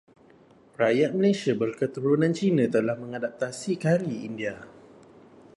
Rakyat Malaysia berketurunan Cina telah mengadaptasi Kari India.